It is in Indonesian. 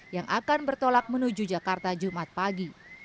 yang akan bertolak menuju jakarta jumat pagi